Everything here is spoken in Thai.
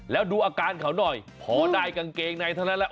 แล้วดูอาการเขาหน่อยพอได้กางเกงในเท่านั้นแหละ